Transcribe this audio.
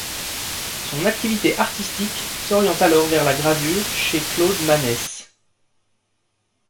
Son activité artistique s'oriente alors vers la gravure chez Claude Manesse.